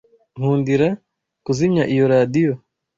Nkundira kuzimya iyo radio.